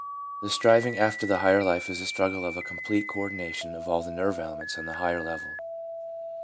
The striving after the higher life is the struggle after a complete co ordination of all the nerve elements on the higher level.